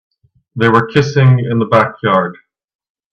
They were kissing in the backyard.